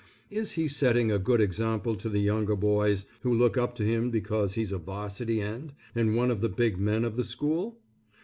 Is he setting a good example to the younger boys, who look up to him because he's a 'varsity end, and one of the big men of the school?